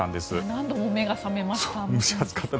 何度も目が覚めました。